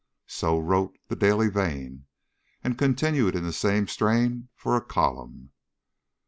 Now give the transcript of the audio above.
So wrote The Daily Vane, and continued in the same strain for a column.